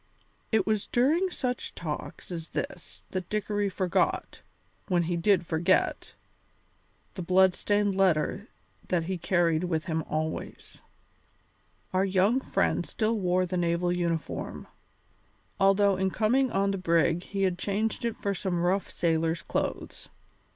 It was during such talks as this that Dickory forgot, when he did forget, the blood stained letter that he carried with him always. Our young friend still wore the naval uniform, although in coming on the brig he had changed it for some rough sailor's clothes.